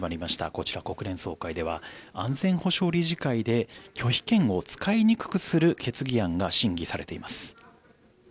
こちら、国連総会では安全保障理事会で拒否権を使いにくくする決議案が審議されています。